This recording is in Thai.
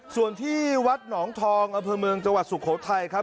ส่วนที่วัดหนองทองอำเภอเมืองจังหวัดสุโขทัยครับ